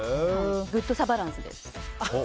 グッドサバランスです。